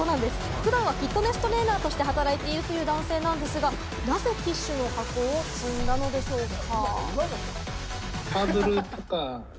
普段はフィットネストレーナーとして働いているという男性なんですが、なぜティッシュの箱を積んだんでしょうか？